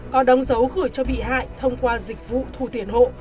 có đóng dấu gửi cho bị hại thông qua dịch vụ thu tiền hộ